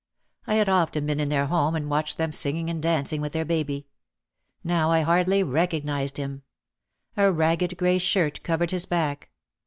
I had often been in their home and watched them singing and dancing with their baby. Now I hardly recognised him. A ragged grey shirt covered his back.